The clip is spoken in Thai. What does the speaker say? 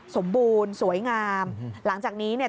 สมบูรณ์สวยงามหลังจากนี้เนี่ย